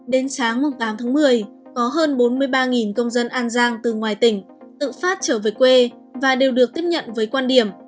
đến sáng tám tháng một mươi có hơn bốn mươi ba công dân an giang từ ngoài tỉnh tự phát trở về quê và đều được tiếp nhận với quan điểm